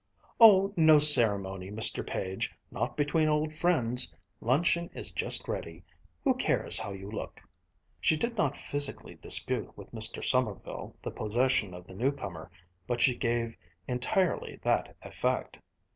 "Oh, no ceremony, Mr. Page, not between old friends. Luncheon is just ready who cares how you look?" She did not physically dispute with Mr. Sommerville the possession of the new comer, but she gave entirely that effect.